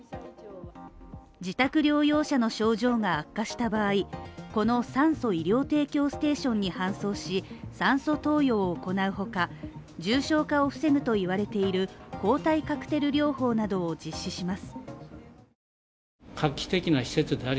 自宅療養者の症状が悪化した場合この酸素・医療提供ステーションに搬送し、酸素投与を行う他、重症化を防ぐと言われている抗体カクテル療法などを実施します。